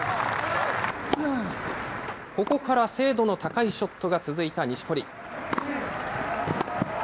ここから精度の高いショットが続いた錦織。